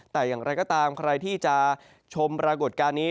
แต่อย่างไรก็ตามใครที่จะชมปรากฏการณ์นี้